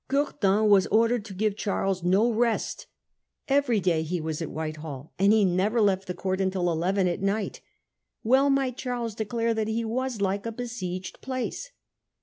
Courtin was ordered to give Charles no rest ; every day he was at Whitehall, and he never left the court until eleven at night. Well might Charles declare that he was like a besieged place.